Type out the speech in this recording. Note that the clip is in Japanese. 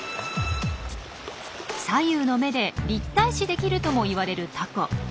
左右の目で立体視できるともいわれるタコ。